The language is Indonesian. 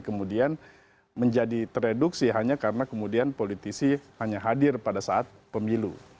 kemudian menjadi tereduksi hanya karena kemudian politisi hanya hadir pada saat pemilu